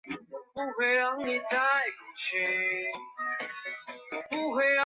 辅币单位为分。